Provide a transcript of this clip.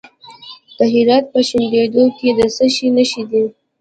د هرات په شینډنډ کې د څه شي نښې دي؟